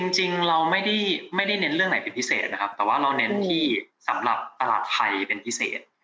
จริงเราไม่ได้เน้นเรื่องไหนเป็นพิเศษนะครับแต่ว่าเราเน้นที่สำหรับตลาดไทยเป็นพิเศษ